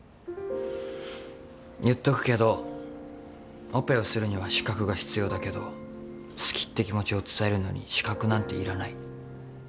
言っとくけどオペをするには資格が必要だけど好きって気持ちを伝えるのに資格なんていらない。